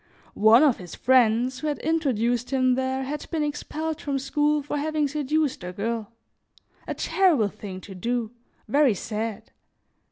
One of his friends, who had introduced him there, had been expelled from school for having seduced a girl; a terrible thing to do, very sad.